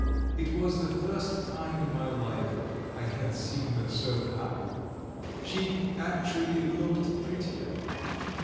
It was the first time in my life I had seen her so happy. She actually looked prettier.